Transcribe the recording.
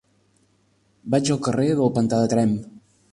Vaig al carrer del Pantà de Tremp.